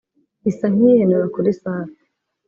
” isa nk’iyihenura kuri Safi